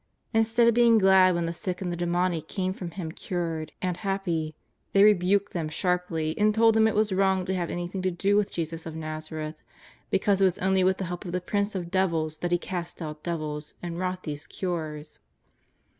Instead of being glad when the sick and the demoniacs came from Him cured and happy, they rebuked them sharply and told them it was wrong to have anything to do with Jesus of ISTazareth, because it was only with the help of the prince of devils that He cast out devils and wrought these cures.